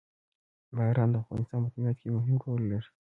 باران د افغانستان په طبیعت کې مهم رول لري.